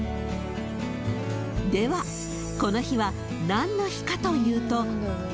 ［ではこの日は何の日かというと］